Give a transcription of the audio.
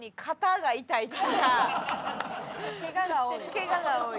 ケガが多い。